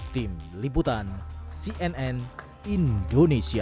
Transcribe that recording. tim liputan cnn indonesia